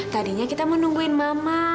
tadinya kita menungguin mama